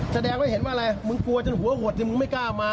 แสดงว่าเห็นว่าอะไรมึงกลัวจนหัวหดมึงไม่กล้ามา